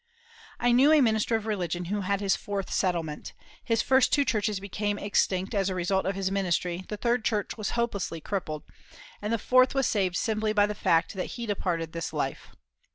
I knew a minister of religion who had his fourth settlement. His first two churches became extinct as a result of his ministry, the third church was hopelessly crippled, and the fourth was saved simply by the fact that he departed this life.